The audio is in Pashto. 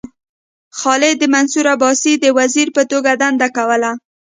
خالد د منصور عباسي د وزیر په توګه دنده کوله.